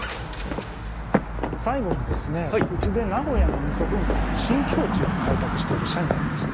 最後にですねうちで名古屋の味噌文化の新境地を開拓している社員がいまして。